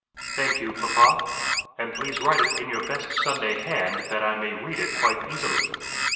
"Thank you, papa. And please write it in your best Sunday hand, that I may read it quite easily."